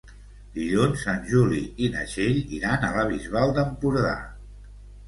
Dilluns en Juli i na Txell iran a la Bisbal d'Empordà.